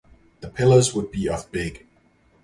The pillars would be of big.